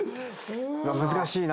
難しいな。